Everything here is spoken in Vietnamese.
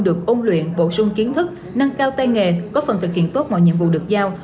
được ôn luyện bổ sung kiến thức nâng cao tây nghệ có phần thực hiện tốt mọi nhiệm vụ được giao